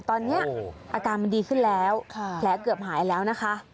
ตอนนี้อาการมันดีขึ้นแล้วแผลเกือบหายแล้วนะคะ